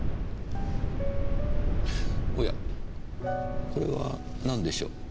おやこれは何でしょう？